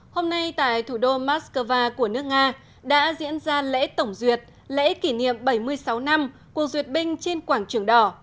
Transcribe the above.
hôm nay tại thủ đô moscow của nước nga đã diễn ra lễ tổng duyệt lễ kỷ niệm bảy mươi sáu năm cuộc duyệt binh trên quảng trường đỏ